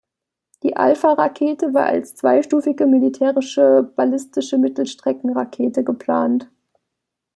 Die Alfa-Rakete war als zweistufige militärische ballistische Mittelstreckenrakete geplant.